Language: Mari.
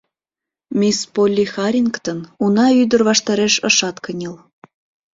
Мисс Полли Харрингтон уна ӱдыр ваштареш ышат кынел.